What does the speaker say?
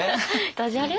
ダジャレ？